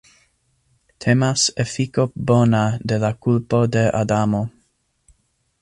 Temas efiko bona de la kulpo de Adamo.